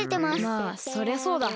まあそりゃそうだ。